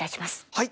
はい！